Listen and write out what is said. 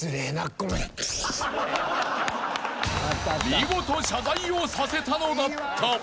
［見事謝罪をさせたのだった］